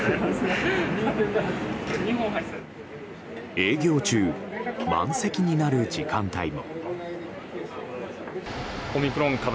営業中、満席になる時間帯も。